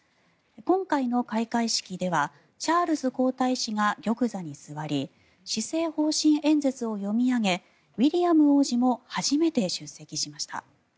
今回の開会式ではチャールズ皇太子が玉座に座り施政方針演説を読み上げウィリアム王子も初めて出席しました。